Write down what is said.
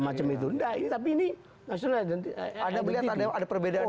macam itu nanti tapi ini itu yang penting untuk kita untuk memiliki kepentingan dan kepentingan